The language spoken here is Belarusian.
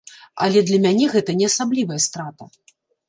Але для мяне гэта не асаблівая страта.